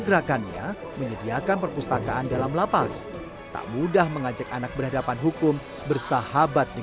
gerakannya menyediakan perpustakaan dalam lapas tak mudah mengajak anak berhadapan hukum bersahabat di